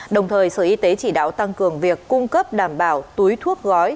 đồng thời sở y tế chỉ đạo tăng cường việc cung cấp đảm bảo túi thuốc gói